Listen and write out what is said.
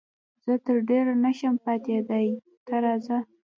زه تر ډېره نه شم پاتېدای، ته راځه.